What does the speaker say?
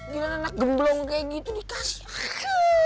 gila anak gemblong kayak gitu dikasih